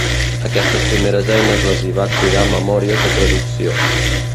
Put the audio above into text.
Aquestes primeres eines les hi va cridar memòries de traducció.